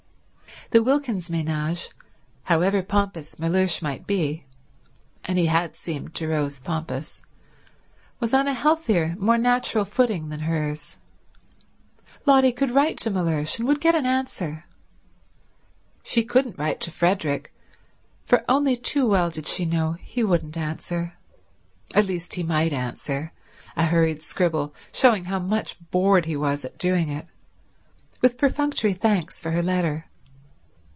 The Wilkins ménage, however pompous Mellersh might be, and he had seemed to Rose pompous, was on a healthier, more natural footing than hers. Lotty could write to Mellersh and would get an answer. She couldn't write to Frederick, for only too well did she know he wouldn't answer. At least, he might answer—a hurried scribble, showing how much bored he was at doing it, with perfunctory thanks for her letter.